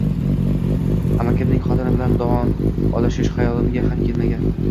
Amakimning xotini bilan don olishish xayolimga ham kelmagan